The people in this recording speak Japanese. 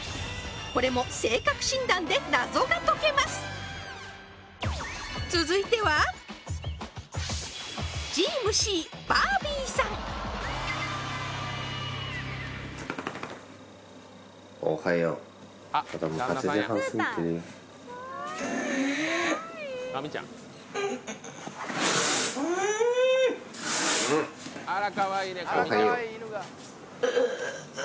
これも性格診断で謎が解けます続いてはんんううううああ